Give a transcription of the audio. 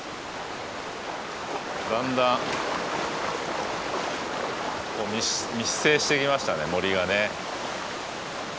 だんだん密生してきましたね森がね。